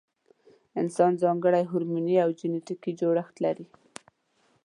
انسان ځانګړی هورموني او جنټیکي جوړښت لري.